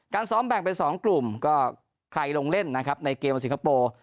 การซ้อมแบ่งไป๒กลุ่มก็ใครลงเล่นนะครับในเกมสิงคโปร